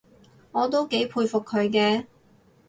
我都幾佩服佢嘅